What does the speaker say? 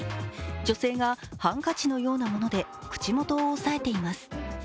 女性がハンカチのようなもので口元を押さえています。